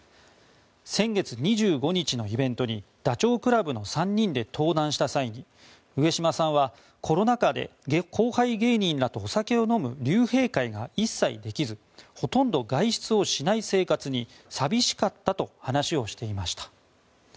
先月２５日のイベントにダチョウ倶楽部の３人で登壇した際に、上島さんはコロナ禍で後輩芸人らとお酒を飲む竜兵会が一切できずほとんど外出をしない生活に寂しかったと話をしていました。